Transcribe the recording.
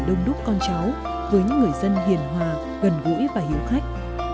hội an đông đúc con cháu với những người dân hiền hòa gần gũi và hiếu khách